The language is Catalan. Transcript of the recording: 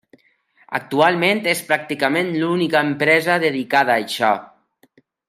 Actualment és pràcticament l'única empresa dedicada a això.